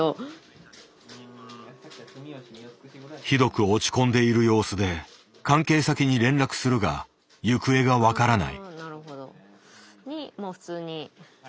ひどく落ち込んでいる様子で関係先に連絡するが行方が分からない。